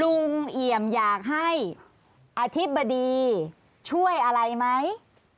เอี่ยมอยากให้อธิบดีช่วยอะไรไหม